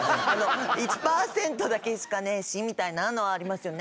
１％だけしかねえしみたいなのはありますよね。